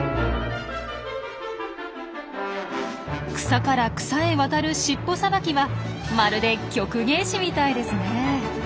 草から草ヘ渡る尻尾さばきはまるで曲芸師みたいですね。